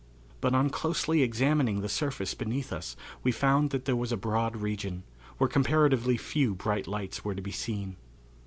But on closely examining the surface beneath us we found that there was a broad region, where comparatively few bright lights were to be seen.